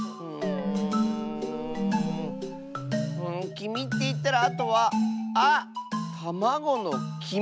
きみっていったらあとはあったまごのきみ！